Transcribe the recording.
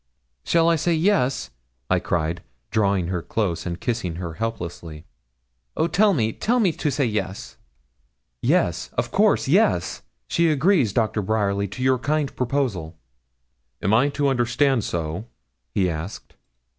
'Shall I say, yes?' I cried, drawing her close, and kissing her helplessly. 'Oh, tell me tell me to say, yes.' 'Yes, of course, yes. She agrees, Doctor Bryerly, to your kind proposal.' 'I am to understand so?' he asked.